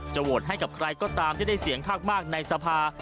โหวตให้กับใครก็ตามที่ได้เสียงข้างมากในสภา